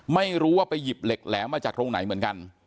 ไม่รู้ว่าไปหยิบเหล็กแหลมมาจากตรงไหนเหมือนกัน